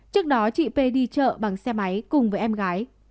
trước đó chị p đi chợ bằng xe máy cùng với em gái